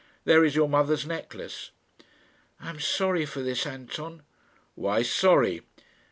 There is your mother's necklace." "I am sorry for this, Anton." "Why sorry?"